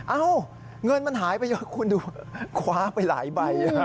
เอ้าเงินมันหายไปเยอะคุณดูคว้าไปหลายใบ